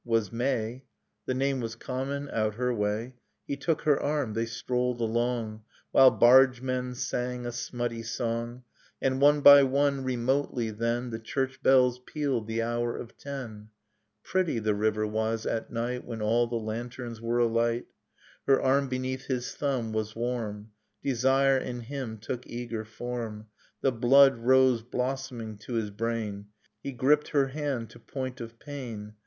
— was May; The name was common, out her way. He took her arm ; they strolled along, While bargemen sang a smutty song; And one by one, remotely, then, The church bells pealed the hour of ten ..... Pretty, the river was, at night When all the lanterns were ahght! ... Her arm beneath his thumb w^as warm. Desire in him took eager form, The blood rose blossoming to his brain. He gripped her hand to point of pain.